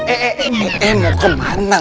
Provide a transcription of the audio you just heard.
eh eh eh eh eh mau kemana